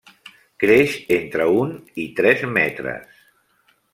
Creix entre un i tres metres.